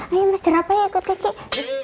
ayo mas jerapa ikut kecik